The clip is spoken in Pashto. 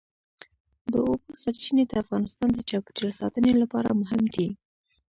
د اوبو سرچینې د افغانستان د چاپیریال ساتنې لپاره مهم دي.